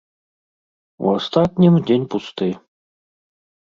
У астатнім, дзень пусты.